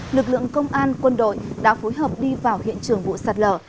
lực lượng công an quân đội đã phối hợp đi vào hiện trường vụ sạt lở